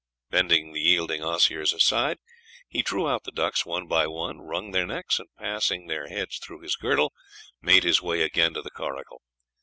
Bending the yielding osiers aside, he drew out the ducks one by one, wrung their necks, and passing their heads through his girdle, made his way again to the coracle.